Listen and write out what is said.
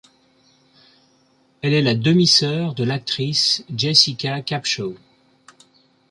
Elle est la demi-sœur de l'actrice Jessica Capshaw.